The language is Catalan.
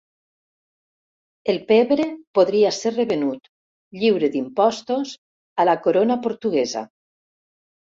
El pebre podria ser revenut, lliure d'impostos, a la Corona portuguesa.